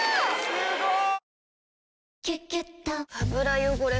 すごい！